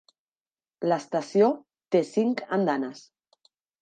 L'estació té cinc andanes.